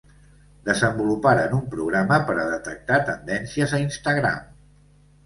Desenvoluparen un programa per a detectar tendències a Instagram.